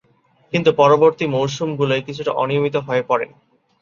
কিন্তু পরবর্তী মৌসুমগুলোয় কিছুটা অনিয়মিত হয়ে পড়েন।